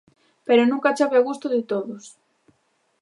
Pero nunca chove a gusto de todos.